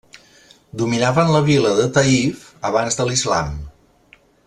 Dominaven la vila de Taïf abans de l'islam.